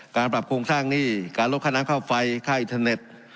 การปรับโครงสร้างหนี้การลดค่าน้ำค่าไฟค่าอินเทอร์เน็ต